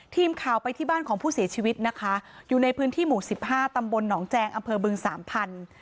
ทีมข่าวไปที่บ้านของผู้เสียชีวิตนะคะอยู่ในพื้นที่หมู่สิบห้าตำบลหนองแจงอำเภอบึงสามพันธุ์